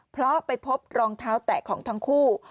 เพราะไปพบรองเท้าแตะของทั้งคู่